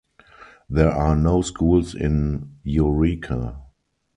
There are no schools in Eureka.